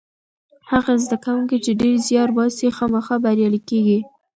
هغه زده کوونکی چې ډېر زیار باسي خامخا بریالی کېږي.